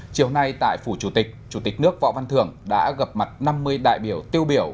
chiều nay tại phủ chủ tịch chủ tịch nước võ văn thưởng đã gặp mặt năm mươi đại biểu tiêu biểu